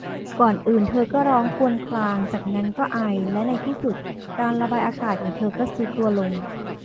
ก่อนอื่นเธอก็ร้องครวญครางจากนั้นก็ไอและในที่สุดการระบายอากาศของเธอก็ทรุดตัวลง